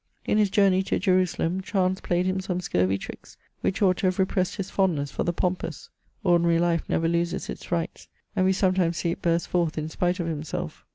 In his journey to Jerusalem, Chance played him some scurvy tricks, which ought to have repressed his fondness for the pompous. Ordinary life never loses its rights, and we sometimes see it burst forth in spite of himself.